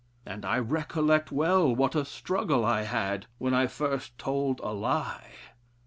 And I recollect well what a struggle I had when I first told a lie.